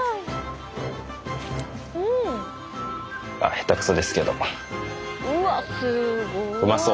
下手くそですけど。